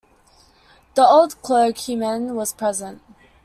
The old clergyman was present.